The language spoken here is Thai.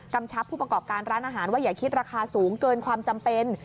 ชับผู้ประกอบการร้านอาหารว่าอย่าคิดราคาสูงเกินความจำเป็น